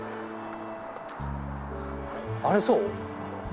あれそう？